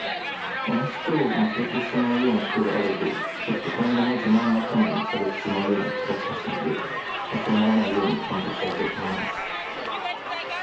もし今日負けてしまうようなことがあるとちょっと今後の自慢の種にされてしまうような気がしますのでそうならないように頑張りたいと思います。